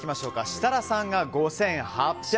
設楽さんが５８００円。